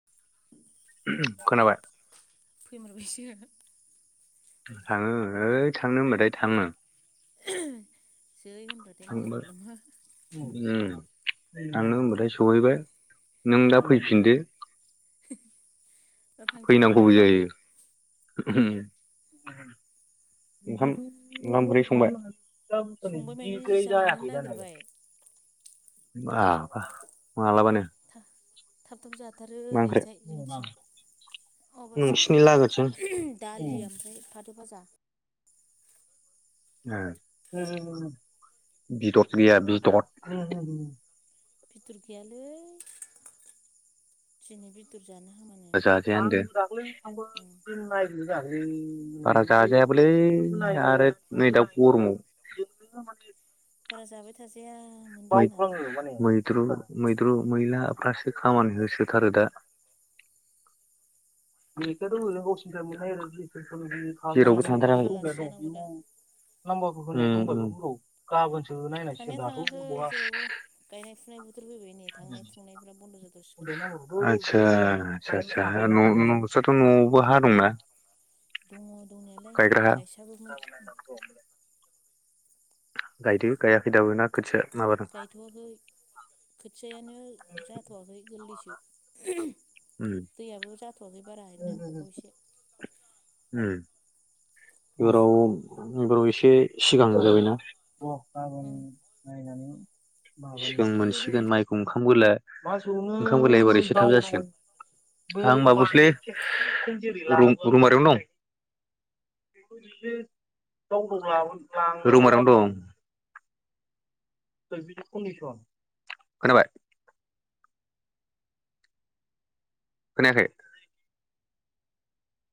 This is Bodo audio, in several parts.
[unintelligible] [unintelligible] खोनाबाय [unintelligible] फैमारबायसो थाङो ओइ थांनो होमबाथाय थाङो [unintelligible] जै होनबाथाय मावथारबाय नामा ओम थांनो होनबाथाय सहैबाय नों दा फैफिनदो दा थांफिनगोन फैनांगौबो र' जायो [unintelligible] ओंखाम ओंखाम ओंख्रि संबाय? [unintelligible] संबाय माने बिदिद्राय जानोनो जायाखै नागिरबाय जानायालाय बा बा मालाबानो थाब थाब जाथारो मा ओंख्रि ओरैजाय जोंनिथिं माबासो नोंसिनि लागोथिं [unintelligible] दालि आमफ्राय फाथो भाजा ओ [unintelligible] बिदत गैया बिदत? बिदर गैयालै [unintelligible] दिनै बेदर जानो हामानो जाजाया होनदों बारा जाजायाबोलै आरो नै दा गरमाव [inaudible] बारा जाबाय थाजाया मोनदों होननानै। [unintelligible] मैद्रु मैद्रु मैला फ्रासो खामानि होसोथारो दा। थास' थालासो जानांगौ दा [unintelligible] ओम ओम गाबोनसो। थांनाया थाङाखै जेरावबो गायनाय फुनाय बोथोर फैबाय नै थांनाय थुंनायफ्रा बन्द' जाथावसिगोन आदसा आसा आसा नं नंस्राथ' न'आवबो हा दंना? दङ दंनायालाय गायग्रा हा गायसाबोमोन ओम गायदो गायाखै दाबो ना खोथिया माबादों ना गायथ'आखै खोथियायानो जाथ'वाखै गोरलैसो [unintelligible] उम दैयाबो जाथ'वाखै बारा नांबावगौ एसे उम एबाराव एसे सिगांग्रा जाबायना [unintelligible] उम [unintelligible] सिगां अबेयाव दं मोनसिगोन माइखौ ओंखाम बला ओंखाम बलाया बोरै एसे थाब नोंसोरलाय जासिगोन [unintelligible] आं मा माबायावसोलै रु रुमारियावनो दं। रौमारावनो दं [unintelligible] खोनाबाय खोनायाखै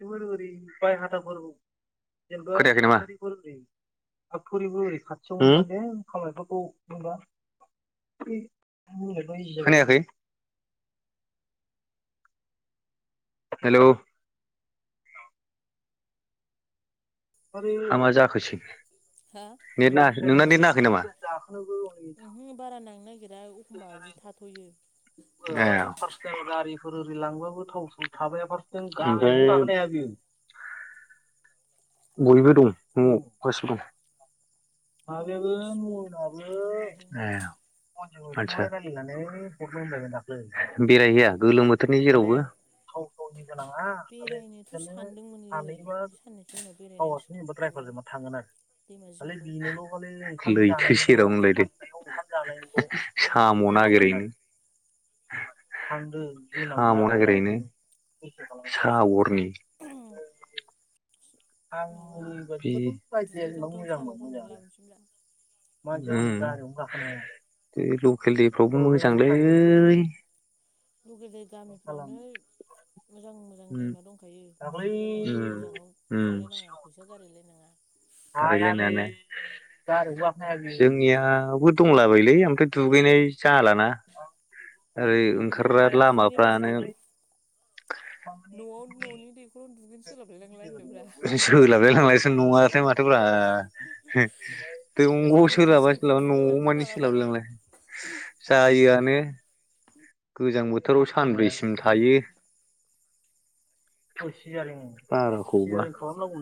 ओरै बाय हाथाफोर जेनबा [unintelligible] [unintelligible] ओरै खाथियावदों खामनायफोरखौ मोनबा [unintelligible] खोनायाखै हेलौ हा मा जाखोसै हा नेथ ना नोंना नेथ नाङाखै नामा? उमहो बारा नांनो नागिरा एखमबा बिदि थाथ'यो। फार्स् टाइम गारिफोर ओरि लांबाबो थाव थाव थाबाया फार गाया बियो। बयबो दं न'आव गासिबो दं। दङ गासिबो ओंखाम जादों आतसा बेरायहैया गोलोम बोथोरनि जेरावबो। फावखावनि गोनाङा आरो बेरायनोथ' बिसोरनो सानदोंमोनलै सानैबो [unintelligible] औ जेनबा अबावबा द्रायभारजोंबा थांगोन आरो दैमा खालि जिंफ्राव बेनोल' खालै। लैथो सेराव होनलायदो सागोर साम' गुदियाव नागिरैनो। साम नागिरहैनो। सागरनि माबा बे दुगैथावथाव साम' खननानै लाबोनोसैब्रा उम बे लकेल दैफ्रावबो मोजांलै लगेल गामिफ्रावनो मोजां मोन। मोजां दैमा दंखायो दुगैबालाय गोजानाव थाबायलायनानै थांलायनाङा फैसा गारलायनाङा। हायो होननानै जोंनाबो दंलाबायलै ओमफ्राय दुगैनाय जालाना। ओरै गोदो ओंखारग्रा गथ'आव दुगैनाय लामाफ्रानो। बायदिदेबाव न'आव न'नि दैखर आवनो दुगैनो सोलाबलायलांला होनदोब्रा सोलाबलाय लांलायसो नुवथाय माथोफ्रा। दंग'आव साननैजोंसो सोलाबा खेबसे सोलाबा न'आव दुगैलाय लांसै मानि मालाबा सोलाब लांलाय होनदों जायोआनो। गोजां बोथोराव सानब्रैसिम थायो। गोलोम बाराखौब्ला बोथोरखायसो गोलोम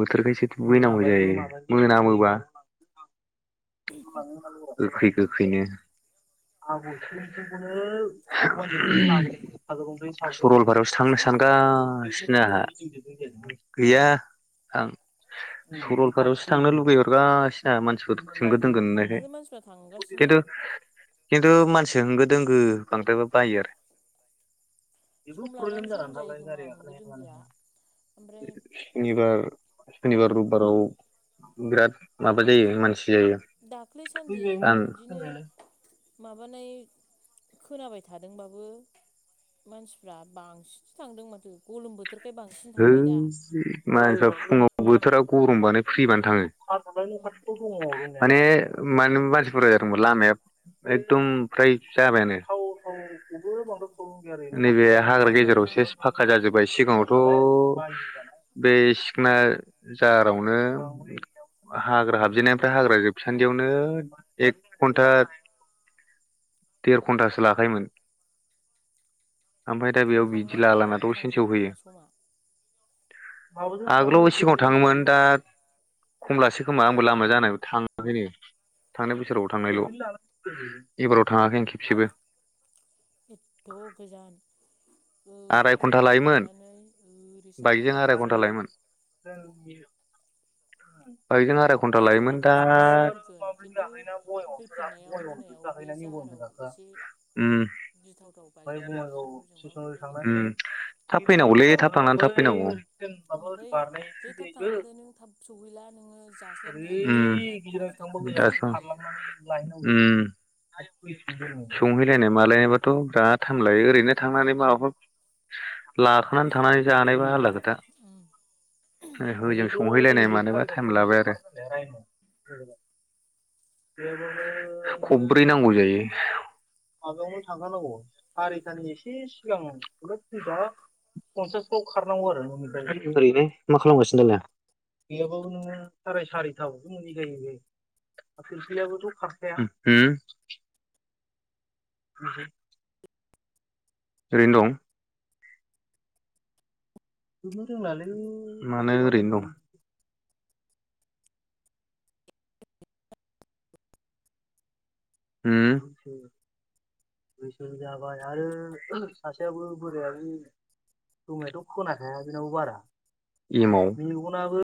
बोथोरखायसो दुगैनांगौ जायो मोनामोबा। गोखै गोखैनो। [unintelligible] ओ ओहोम। सर'लपारायावसो थांनो बिसोरबो दंजोबो सानगासिनो आंहा गैया। मायाव आं सर'लपारायावसो थांनो लुुबैहरगासिनो आं मानसिफोर होंगो दोंगो नुनायखाय माथो मानसिफ्रा [inaudible] थांगासिनो खिन्थु खिन्थु मानसि होंगो दोंगो बांद्रायबा बायो आरो। [inaudible] सम लानानै सम जायो खोमा होंगो दोंगोआ ओमफ्राय सुनिबार सुनिबार रबिबाराव बिराद माबा जायो मानसि जायो। दाख्लै सानदि आं इदिनो माबानाय खोनाबाय थादोंबाबो मानसिफ्रा बांसिनसो थांदों माथो गलम बोथोरखाय बांसिन है थांबाय दा मानसिफ्रा फुङाव बोथोरा गरमबानो फ्रिबानो थाङो। उम [unintelligible] माने मानु मानसिफोर बुजा थांबा लामाया एकदम फ्राय जाबायानो [inaudible] नैबे हाग्रा गेजेराव लामाया इसे इसे फाखा जाजोब्बाय सिगाङाव थ' बे सिखना जाहारावनो हाग्रा उम हाबजेननायनिफ्राय हाग्रा जोबसान्दियावनो एक घण्टा [inaudible] ओमफ्राय दा बेयाव बिदि थांनाय लालाना फैनायावनो दसेनो थांजोबो सौहैयो। खोमा समा। आगोलाव सिगाङाव थाङोमोन दा खमलासो खोमा आंबो लामा जानायनिफ्राय थाङाखैनो। थांनाय बोसोराव थांनायल' [inaudible] एबाराव थाङाखै आं खेबसेबो। एथ' गोजान। [inaudible] ओरै आराय घन्टा खोलाहा लायोमोन थांनानै ओरै साहा बाइकजों आराय घन्टा दावखोफिननां लायोमोन [unintelligible] बाइकजों आराय घन्टा बाइकजोंबा लायोमोन दा थाब सहैसिनोगोन खिन्थु [unintelligible] इसे [inaudible] गिथावथाव बाइकजोंबा खारफोरजोंबा बांद्राय गिथाव नङा। थाब फैनांगौलै थाब थांनानै थाब फैनांगौ। [unintelligible] उम। ओमफ्राय जै थाब थाङाबाथाय नों थाब सहैला नोङो जास्लाबनो हाया [unintelligible] लोंस्लाबनो हाया हाखु दाखु फैफिननांगौ जायो उम। [inaudible] संहैलायनाय मालायनायबाथ' बिराद थामलायो ओरैनो थांनानै माबाफोर लाखानानै थांनानै जानायबा आलादा खोथा। होजों संहैलायनाय मानायबा टाइम लाबाय आरो। [inaudible] [inaudible] खबब्रै नांगौ जायो। माबायावनो थांथारनांगौ आरायटानि एसे सिगाङावनो। जोबोद स्पिदाव पन्सासआव खारनांगौ आरो न'निफ्राय ओरैनो मा खालामगासिनो दानिया? गैयाबाबो नोङो साराय सारिथायावसो मोनहैखायो। पिरपिलाबोथ' खारखाया हम होम [inaudible] ओरैनो दं। गानो रोंलालै। मानो ओरैनो दं? उम [inaudible] गोसोम जाबाय आरो सासे [unintelligible] बो बोरायाबो खोमायाथ' खोनाखाया बेनाबो बार। एमाव मेगनाबो